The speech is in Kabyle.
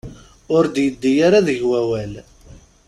Ur d-yeddi ara deg wawal.